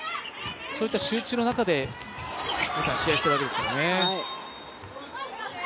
そういった集中の中で、皆さん試合しているわけですからね。